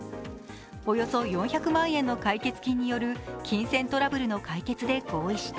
およそ４００万円の解決金による金銭トラブルの解決で合意した。